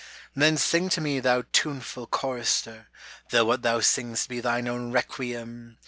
Then sing to me thou tuneful chorister, Though what thou sing'st be thine own requiem